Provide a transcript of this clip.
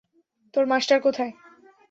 তোর মাস্টার কোথায়?